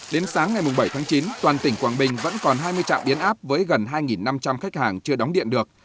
đến sáng ngày bảy tháng chín toàn tỉnh quảng bình vẫn còn hai mươi trạm biến áp với gần hai năm trăm linh khách hàng chưa đóng điện được